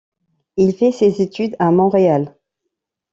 Il fait ses études à Montréal.